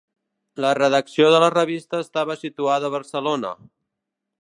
La redacció de la revista estava situada a Barcelona.